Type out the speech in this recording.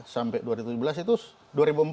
dua ribu tiga sampai dua ribu tujuh belas itu